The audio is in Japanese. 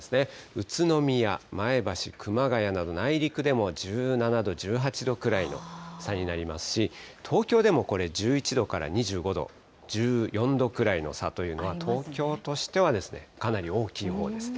宇都宮、前橋、熊谷など、内陸でも１７度、１８度くらいの差になりますし、東京でもこれ、１１度から２５度、１４度くらいの差というのは、東京としては、かなり大きいほうです。